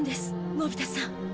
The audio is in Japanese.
のび太さん。